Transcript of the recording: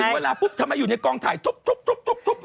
แต่ถึงเวลาปุ๊บทำให้อยู่ในกล้องถ่ายทุบ